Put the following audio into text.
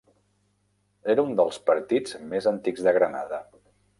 Era un dels partits més antics de Granada.